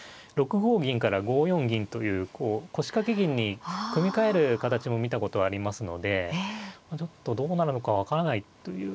６五銀から５四銀というこう腰掛け銀に組み替える形も見たことはありますのでちょっとどうなるのか分からないという。